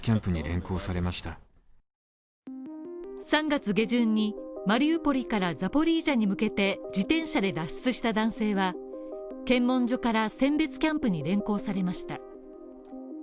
３月下旬にマリウポリからザポリージャに向けて自転車で脱出した男性は検問所から選別キャンプに連行されました。